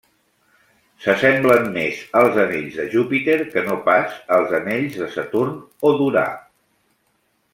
S'assemblen més als anells de Júpiter que no pas als anells de Saturn o d'Urà.